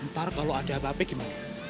ntar kalau ada apa apa gimana